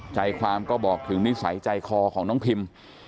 ใจความก็บอกถึงนิสัยใจคอของน้องพิม